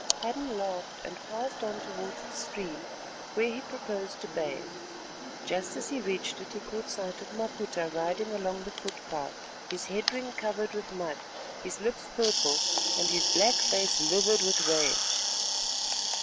Hadden laughed, and passed on towards the stream where he proposed to bathe. Just as he reached it, he caught sight of Maputa riding along the footpath, his head ring covered with mud, his lips purple and his black face livid with rage.